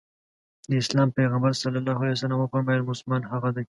د اسلام پيغمبر ص وفرمايل مسلمان هغه دی.